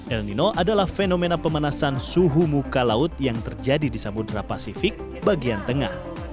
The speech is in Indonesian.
el nino adalah fenomena pemanasan suhu muka laut yang terjadi di samudera pasifik bagian tengah